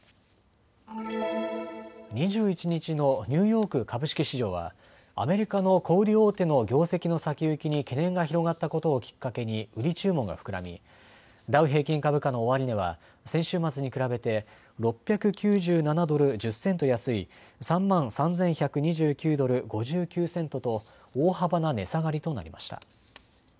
２１日のニューヨーク株式市場はアメリカの小売り大手の業績の先行きに懸念が広がったことをきっかけに売り注文が膨らみダウ平均株価の終値は先週末に比べて６９７ドル１０セント安い３万３１２９ドル５９セントと大幅な値下がりとなりました。